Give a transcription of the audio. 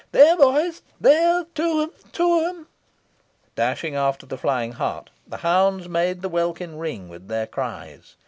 "There boys, there! to him! to him!" Dashing after the flying hart, the hounds made the welkin ring with their cries.